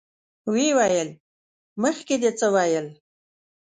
ويې ويل: مخکې دې څه ويل؟